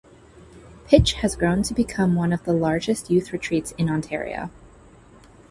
Pitch has grown to become one of the largest youth retreats in Ontario.